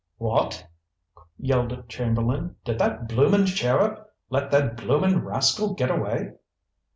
"What!" yelled Chamberlain. "Did that bloomin' sheriff let that bloomin' rascal get away?"